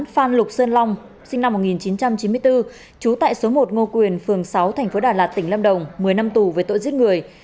phan lục sơn long sinh năm một nghìn chín trăm chín mươi bốn trú tại số một ngô quyền phường sáu tp đà lạt tỉnh lâm đồng một mươi năm tù về tội giết người